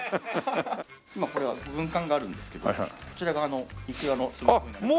これは軍艦があるんですけどこちらがいくらの粒々になります。